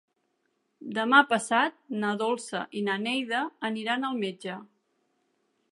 Demà passat na Dolça i na Neida aniran al metge.